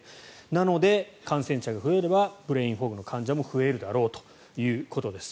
なので、感染者が増えればブレインフォグの患者も増えるだろうということです。